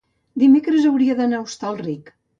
dimecres hauria d'anar a Hostalric.